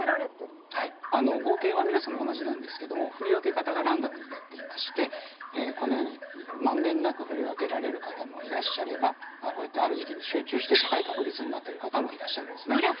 合計は皆様同じなんですけども振り分け方がランダムになっていましてこのように満遍なく振り分けられる方もいらっしゃればある時期に集中して高い確率になってる方もいらっしゃるんです。